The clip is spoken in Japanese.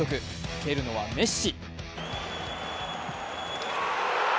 蹴るのはメッシ。